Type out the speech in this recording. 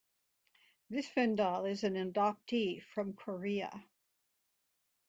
Lifvendahl is an adoptee from Korea.